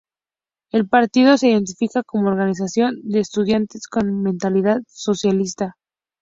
El partido se identifica como "Organización de estudiantes con mentalidad socialista".